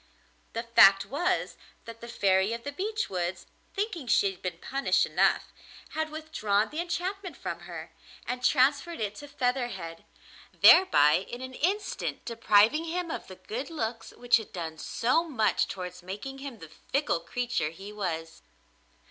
The fact was that the Fairy of the Beech Woods, thinking she had been punished enough, had withdrawn the enchantment from her, and transferred it to Featherhead, thereby in an instant depriving him of the good looks which had done so much towards making him the fickle creature he was.